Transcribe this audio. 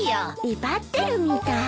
威張ってるみたい。